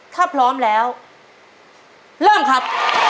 ถ้าพร้อมแล้วเริ่มครับ